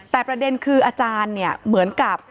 แต่ประเด็นคืออาจารย์เนี่ยเหมือนกับ